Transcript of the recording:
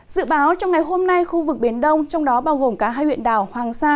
dự báo trong ngày hôm nay khu vực biển đông trong đó bao gồm cả hai huyện đảo hoàng sa